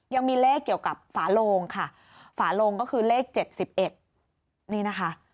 ยังมีเลขเกี่ยวกับฝาโลงค่ะฝาโลงก็คือเลข๗๑นี่นะคะ